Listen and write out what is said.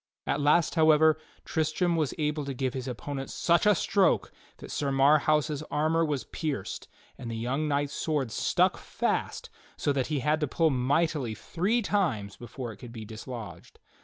At last, however, Tristram was able to give his opponent such a stroke that Sir Marhaus' armor was pierced, and the young knight's sword stuck fast, so that he had to pull mightily three times before it could be dislodged.